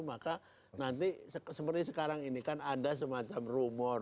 maka nanti seperti sekarang ini kan ada semacam rumor